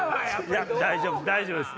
いや大丈夫です。